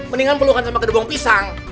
mendingan pelukan sama kedua bawang pisang